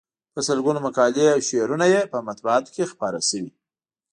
په سلګونو مقالې او شعرونه یې په مطبوعاتو کې خپاره شوي.